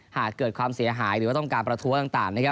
หากเกิดความเสียหายหรือว่าต้องการประท้วงต่าง